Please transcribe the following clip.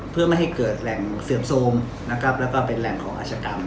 เพื่อไม่ให้เกิดแหล่งเสื่อมโทรมนะครับแล้วก็เป็นแหล่งของอาชกรรม